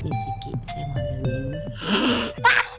ini si kibis yang mau ambil minum